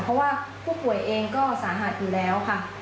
เพราะว่าผู้ป่วยเองก็สาหัสอยู่แล้วค่ะ